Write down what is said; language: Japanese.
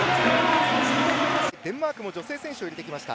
デンマークも女性選手を入れてきました。